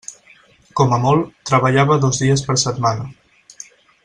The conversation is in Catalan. Com a molt, treballava dos dies per setmana.